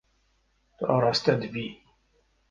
Tu araste dibî.